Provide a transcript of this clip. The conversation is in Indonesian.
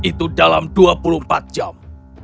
itu dalam dua puluh empat jam